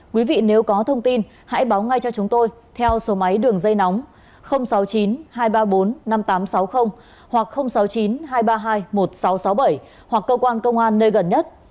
quý vị nếu có thông tin hãy báo ngay cho chúng tôi theo số máy đường dây nóng sáu mươi chín hai trăm ba mươi bốn năm nghìn tám trăm sáu mươi hoặc sáu mươi chín hai trăm ba mươi hai một nghìn sáu trăm sáu mươi bảy hoặc cơ quan công an nơi gần nhất